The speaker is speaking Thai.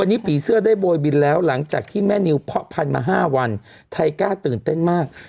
วันนี้ผีเสื้อได้โบยบินแล้วหลังจากที่แม่นิวเพาะพันธุมา๕วันไทยกล้าตื่นเต้นมาก